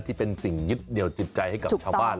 ที่เป็นสิ่งยึดเหนียวจิตใจให้กับชาวบ้าน